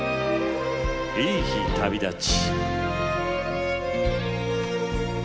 「いい日旅立ち」。